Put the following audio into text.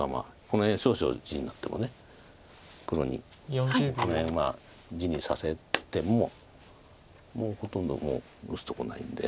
この辺少々地になっても黒にこの辺地にさせてももうほとんど打つとこないんで。